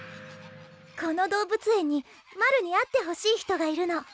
この動物園にマルに会ってほしい人がいるの。